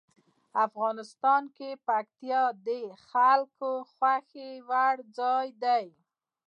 افغانستان کې پکتیا د خلکو د خوښې وړ ځای دی.